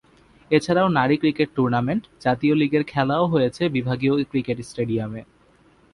এছাড়াও নারী cricket tournament, জাতীয় লিগের খেলাও হয়েছে বিভাগীয় ক্রিকেট স্টেডিয়ামে।